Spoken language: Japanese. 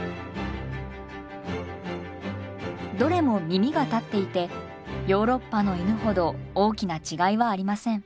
どれも耳が立っていてヨーロッパの犬ほど大きな違いはありません。